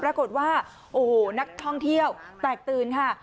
ปรากฏว่าโอ้โหนักท่องเที่ยวแตกตื่นค่ะ